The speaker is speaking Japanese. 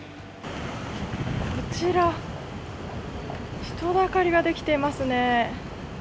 こちら、人だかりができていますね。